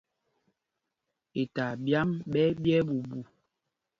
Itaa ɓyǎm ɓɛ́ ɛ́ ɓya ɛɓuu ɓuu.